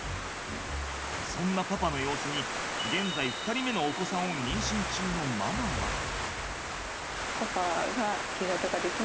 そんなパパの様子に現在２人目のお子さんを妊娠中のママは。